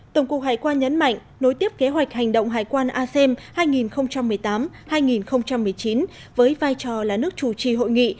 tổng cục hải quan nhấn mạnh nối tiếp kế hoạch hành động hải quan asem hai nghìn một mươi tám hai nghìn một mươi chín với vai trò là nước chủ trì hội nghị